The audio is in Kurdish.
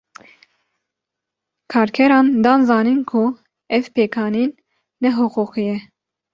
Kerkeran, dan zanîn ku ev pêkanîn ne hiqûqî ye